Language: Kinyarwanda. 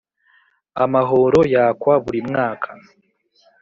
Amahoro yakwa buri mwaka